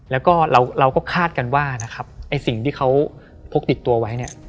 แล้วก็เราก็คาดกันว่านะครับไอ้สิ่งที่เขาพกติดตัวไว้เนี่ย